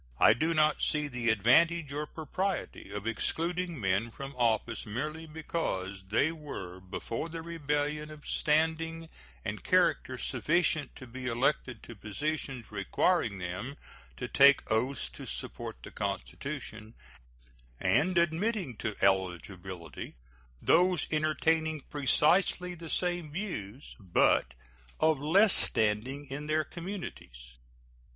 I do not see the advantage or propriety of excluding men from office merely because they were before the rebellion of standing and character sufficient to be elected to positions requiring them to take oaths to support the Constitution, and admitting to eligibility those entertaining precisely the same views, but of less standing in their communities.